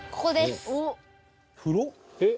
えっ？